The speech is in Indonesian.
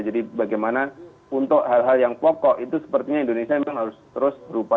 jadi bagaimana untuk hal hal yang pokok itu sepertinya indonesia memang harus terus berubah